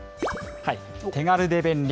手軽で便利！